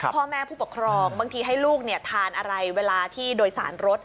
พ่อแม่ผู้ปกครองบางทีให้ลูกทานอะไรเวลาที่โดยสารรถ